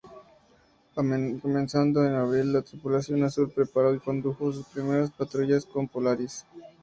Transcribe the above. Comenzando en abril, la tripulación azul preparó y condujo sus primeras patrullas con Polaris.